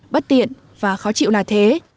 bất tiện và khó chịu là thế